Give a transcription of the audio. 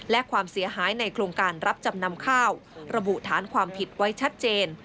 และความเสียหายในโครงการรับจำนำข้าวระบุฐานความผิดไว้ชัดเจน